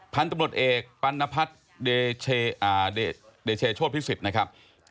พันธุ์ตำรวจเอกปัณพัฒน์เดเชโชธพิสิทธิ์นะครับ